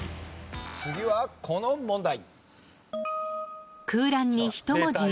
次はこの問題。